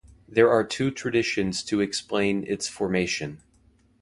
There are two traditions to explain its formation.